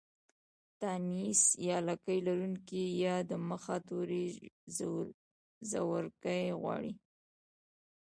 د تانيث يا لکۍ لرونکې ۍ د مخه توری زورکی غواړي.